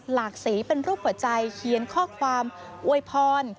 หลากสีเป็นรูปหัวใจเขียนข้อความอวยพร